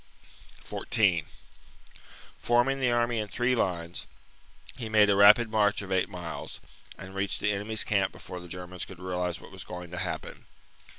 He marches 14, Forming the army in three lines, he made German a rapid march of eight miles, and reached the enemy's camp before the Germans could realize what was going to happen.